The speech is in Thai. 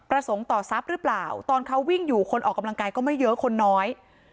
ต่อทรัพย์หรือเปล่าตอนเขาวิ่งอยู่คนออกกำลังกายก็ไม่เยอะคนน้อย